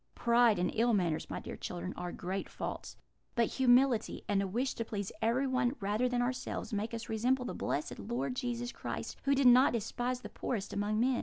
Pride and ill manners, my dear children, are great faults; but humility, and a wish to please everyone rather than ourselves, make us resemble the blessed Lord Jesus Christ, who did not despise the poorest among men.